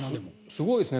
すごいですね